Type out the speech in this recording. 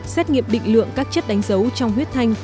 xét nghiệm định lượng các chất đánh dấu trong huyết thanh